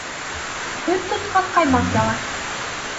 Һөт тотҡан ҡаймаҡ ялар.